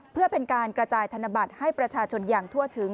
เพื่อเป็นการกระจายธนบัตรให้ประชาชนอย่างทั่วถึง